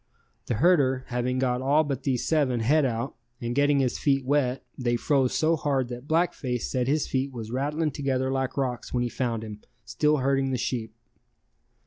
The herder having got all but these seven head out and getting his feet wet they froze so hard that Black Face said his feet was rattling together like rocks when he found him still herding the sheep.